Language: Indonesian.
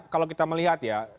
kalau kita melihat ya